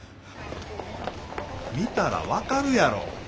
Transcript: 見たら分かるやろ！